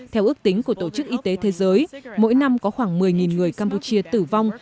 theo ước tính của tổ chức y tế thế giới mỗi năm có khoảng một mươi người campuchia tử vong